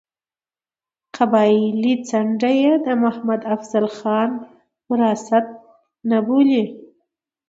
قبایلي څنډه یې د محمد افضل خان وراثت نه بولي.